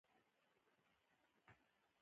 کله چې هوا منفي پنځوس درجې وي انجن نه څرخیږي